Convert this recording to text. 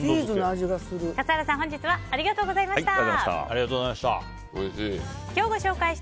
笠原さん、本日はありがとうございました。